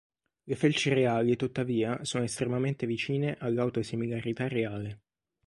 Le felci reali, tuttavia, sono estremamente vicine all'auto-similarità reale.